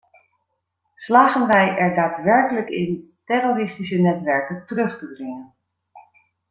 Slagen wij er daadwerkelijk in terroristische netwerken terug te dringen?